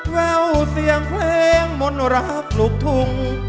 แววเสียงเพลงมนต์รักลูกทุ่ง